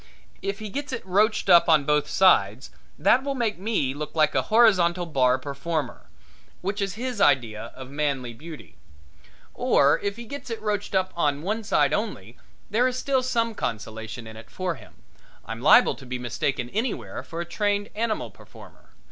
If he gets it roached up on both sides that will make me look like a horizontal bar performer, which is his idea of manly beauty. Or if he gets it roached up on one side only there is still some consolation in it for him I'm liable to be mistaken anywhere for a trained animal performer.